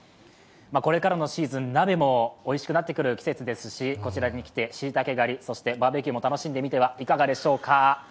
これからのシーズン鍋もおいしくなってくる季節ですしこちらに来てしいたけ狩り、バーベキューも楽しんでみてはいかがでしょうか。